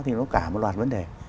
thì nó cả một loạt vấn đề